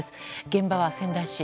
現場は仙台市。